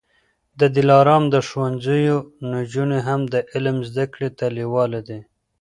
د دلارام د ښوونځیو نجوني هم د علم زده کړې ته لېواله دي.